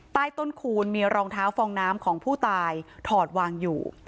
ใต้ต้นคูณมีรองเท้าฟองน้ำของผู้ตายถอดวางอยู่